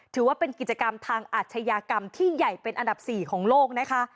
ถือว่าเป็นกิจกรรมทางอาชญากรรมที่ใหญ่เป็นอันดับ๔ของโลกนะคะ